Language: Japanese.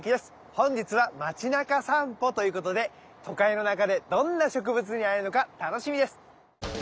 本日は街中さんぽということで都会の中でどんな植物に会えるのか楽しみです。